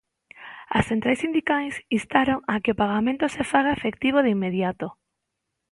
As centrais sindicais instaron a que o pagamento se faga efectivo de inmediato.